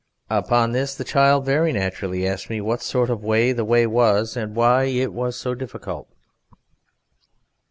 Upon this the child very naturally asked me what sort of way the way was and why it was so difficult.